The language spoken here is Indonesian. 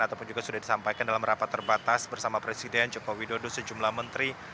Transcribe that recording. ataupun juga sudah disampaikan dalam rapat terbatas bersama presiden joko widodo sejumlah menteri